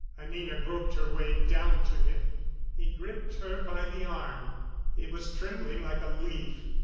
Anina groped her way down to him. He gripped her by the arm. He was trembling like a leaf.